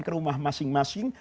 ke rumah masing masing